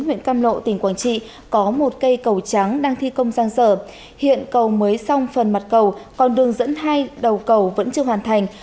huyện cam lộ tỉnh quảng trị có một cây cầu trắng đang thi công giang sở hiện cầu mới xong phần mặt cầu còn đường dẫn hai đầu cầu vẫn chưa hoàn thành